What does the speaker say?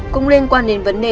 cũng liên quan đến vấn đề ẩu đả